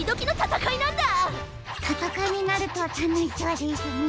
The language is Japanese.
たたかいになるとたのしそうですね。